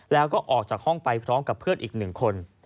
แล้วก็ออกจากห้องไปพร้อมกับเพื่อนอีก๑คน